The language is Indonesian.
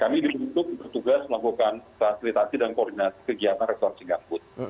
kami dibentuk bertugas melakukan fasilitasi dan koordinasi kegiatan restorasi gambut